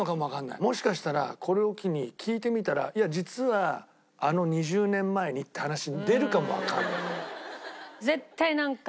もしかしたらこれを機に聞いてみたら「いや実はあの２０年前に」って話出るかもわかんない。